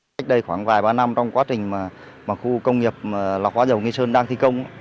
cách đây khoảng vài ba năm trong quá trình mà khu công nghiệp lọc hóa dầu nghi sơn đang thi công